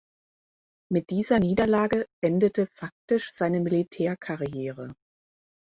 Mit dieser Niederlage endete faktisch seine Militärkarriere.